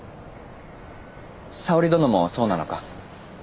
沙織殿もそうなのか？